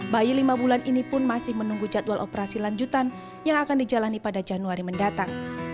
bayi lima bulan ini pun masih menunggu jadwal operasi lanjutan yang akan dijalani pada januari mendatang